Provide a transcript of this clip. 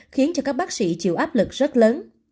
khiến cho các bác sĩ chịu áp lực rất lớn